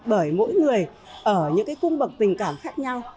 bởi mỗi người ở những cái cung bậc tình cảm khác nhau